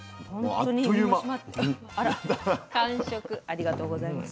ありがとうございます。